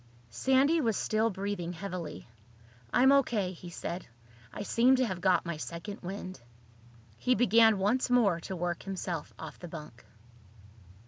Sandy was still breathing heavily. "I'm O.K.," he said. "I seem to have got my second wind." He began once more to work himself off the bunk.